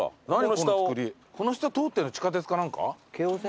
この下通ってる地下鉄か何か？